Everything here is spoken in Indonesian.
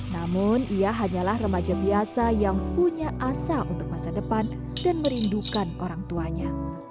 namun ia hanyalah remaja biasa yang punya asa untuk masa depan dan merindukan orang tuanya